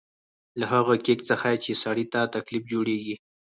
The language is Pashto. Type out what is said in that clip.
له هغه کېک څخه چې سړي ته تکلیف جوړېږي.